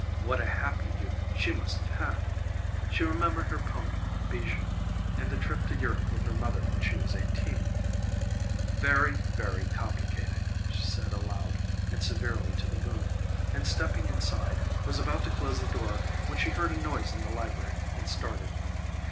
What a happy youth she must have had! She remembered her pony, Bijou, and the trip to Europe with her mother when she was eighteen "Very, very complicated," she said aloud and severely to the moon, and, stepping inside, was about to close the door when she heard a noise in the library and started.